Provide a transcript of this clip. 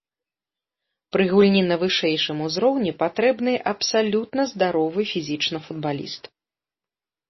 Пры гульні на вышэйшым узроўні патрэбны абсалютна здаровы фізічна футбаліст.